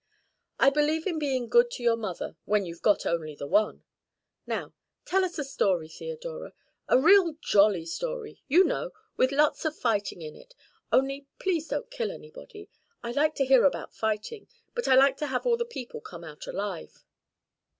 "I believe in being good to your mother when you've only got the one. Now tell us a story, Theodora a real jolly story, you know, with lots of fighting in it. Only please don't kill anybody. I like to hear about fighting, but I like to have all the people come out alive."